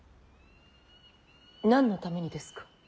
何のためにですか。